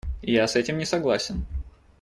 Я с этим не согласен.